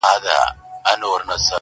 وخت که لېونی سو، توپانونو ته به څه وایو؛